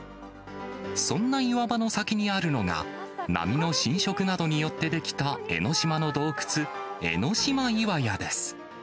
そんな岩場の先にあるのが、波の浸食などによって出来た、江の島の洞窟、江の島岩屋です。